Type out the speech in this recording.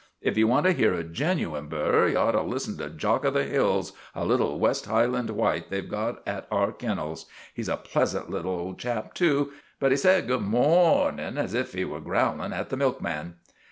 If you want to hear a genuine bur, you ought to listen to Jock o' the Hills, a little West Highland White they 've got at our kennels. He 's a pleasant little old chap too ; but he says ' Gude mor r rnin ' as if he was growling at the milkman."